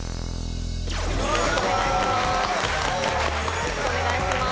よろしくお願いします。